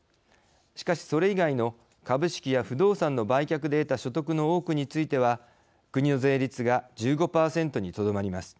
しかし、それ以外の株式や不動産の売却で得た所得の多くについては国の税率が１５％にとどまります。